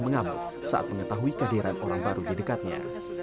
mengamuk saat mengetahui kehadiran orang baru di dekatnya